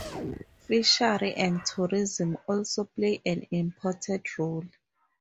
Fishery and tourism also play an important role.